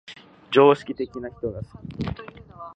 常識的な人が好き